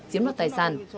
chiếm đoạt tài sản